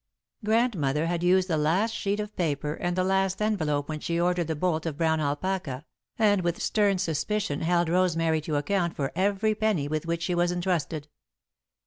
Grandmother had used the last sheet of paper and the last envelope when she ordered the bolt of brown alpaca, and with stern suspicion held Rosemary to account for every penny with which she was entrusted.